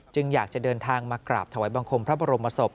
อยากจะเดินทางมากราบถวายบังคมพระบรมศพ